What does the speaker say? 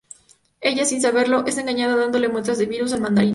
Ella, sin saberlo, es engañada, dándole muestras del virus al Mandarín.